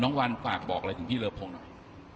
วันฝากบอกอะไรถึงพี่เลอพงหน่อย